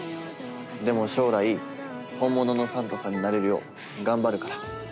でも将来本物のサンタさんになれるよう頑張るから許してね。